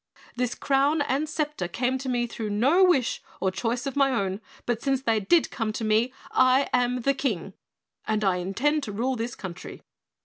This crown and scepter came to me through no wish or choice of my own, but since they did come to me I AM THE KING! And I intend to rule this country.